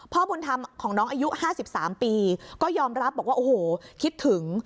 พ่อบุญธรรมของน้องอายุ๕๓ปีก็ยอมรับบอกว่าโอ้โหคิดถึง